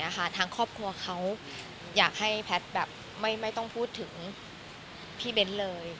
ทางครอบครัวเขาอยากให้แพทย์แบบไม่ต้องพูดถึงพี่เบ้นเลย